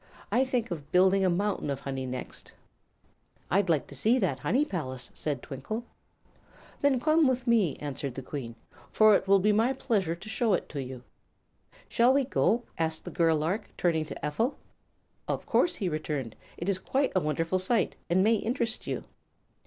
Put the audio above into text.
I think of building a mountain of honey next." "I'd like to see that honey palace," said Twinkle. "Then come with me," answered the Queen Bee, "for it will give me pleasure to show it to you." "Shall we go?" asked the girl lark, turning to Ephel. "Of course," he returned. "It is quite a wonderful sight, and may interest you."